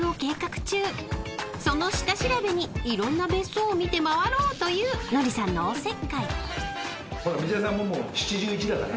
［その下調べにいろんな別荘を見て回ろうというノリさんのおせっかい］ほら。